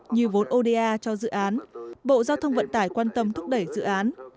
như vốn oda cho dự án bộ giao thông vận tải quan tâm thúc đẩy dự án